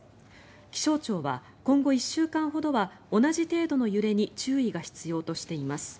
気象庁は今後１週間ほどは同じ程度の揺れに注意が必要しています。